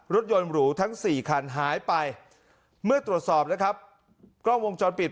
รถยนต์หรูทั้งสี่คันหายไปเมื่อตรวจสอบนะครับกล้องวงจรปิด